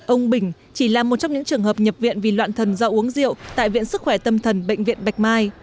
ông bỉnh chỉ là một trong những trường hợp nhập viện vì loạn thần do uống rượu tại viện sức khỏe tâm thần bệnh viện bạch mai